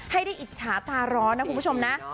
ให้ได้อิจฉาตาร้อนนะคุณผู้ชมนะ